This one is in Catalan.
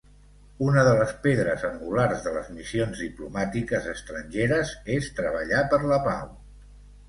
Una de les pedres angulars de les missions diplomàtiques estrangeres és treballar per la pau.